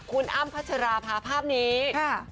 คุณอ้ำพัชราภาพภาพนี้ค่ะค่ะคุณอ้ำพัชราภาพ